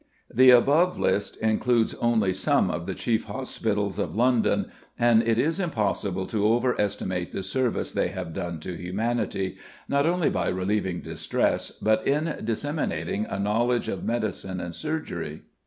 The above list includes only some of the chief hospitals of London, and it is impossible to over estimate the service they have done to humanity, not only by relieving distress, but in disseminating a knowledge of medicine and surgery.